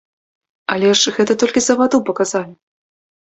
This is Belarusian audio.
Але ж гэта толькі за ваду паказалі!